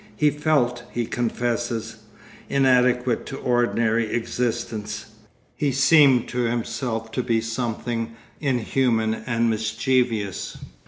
He felt, he confesses, 'inadequate to ordinary existence.' He seemed to himself to be something inhuman and mischievous.